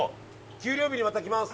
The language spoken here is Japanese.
給料日にまた来ます。